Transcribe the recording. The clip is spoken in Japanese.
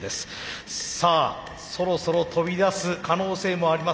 さあそろそろ飛び出す可能性もありますので。